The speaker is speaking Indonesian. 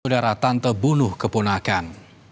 saudara tante bunuh keponakan